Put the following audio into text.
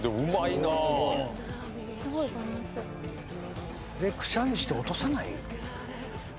「でくしゃみして落とさない？」